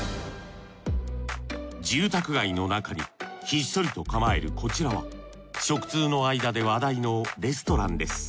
住宅街の中にひっそりと構えるこちらは食通のあいだで話題のレストランです。